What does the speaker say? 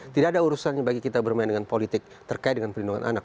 tidak ada urusannya bagi kita bermain dengan politik terkait dengan perlindungan anak